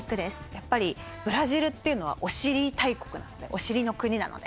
やっぱりブラジルっていうのはお尻大国なのでお尻の国なので。